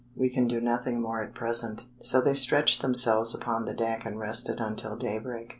We can do nothing more at present." So they stretched themselves upon the deck and rested until daybreak.